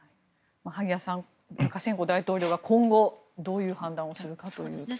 萩谷さんルカシェンコ大統領は今後どういう判断をするかというところですね。